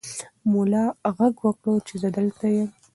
ملا غږ وکړ چې زه دلته یم.